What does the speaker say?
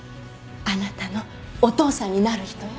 あなたのお父さんになる人よ。